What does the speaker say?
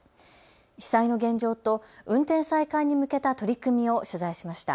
被災の現状と運転再開に向けた取り組みを取材しました。